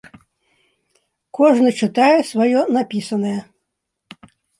Кожны чытае сваё напісанае.